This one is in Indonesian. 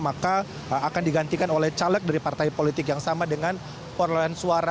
maka akan digantikan oleh caleg dari partai politik yang sama dengan perolehan suara